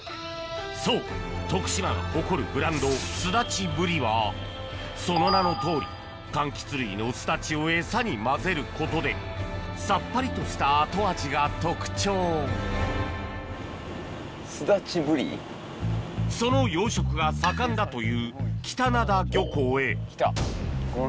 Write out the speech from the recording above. そう徳島が誇るブランドすだちぶりはその名のとおりかんきつ類のすだちをエサに混ぜることでさっぱりとした後味が特徴その養殖が盛んだという北灘漁港へきた。